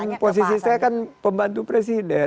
tapi saya kan posisi saya kan pembantu presiden